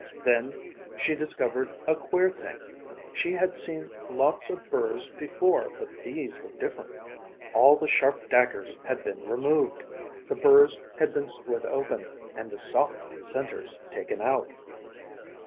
Then she discovered a queer thing. She had seen lots of burrs before but these were different. All the sharp daggers had been removed, the burrs had been split open and the soft centers taken out.